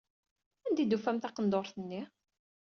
Anda ay d-tufam taqendurt-nni?